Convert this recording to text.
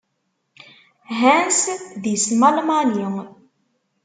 Hans, d isem Almani.